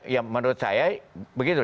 ya menurut saya begitu